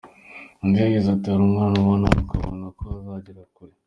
Undi yagize ati “Hari umwana ubona ukabona ko azagera kure.